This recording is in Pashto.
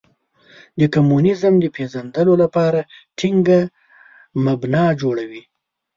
د کمونیزم د پېژندلو لپاره ټینګه مبنا جوړوي.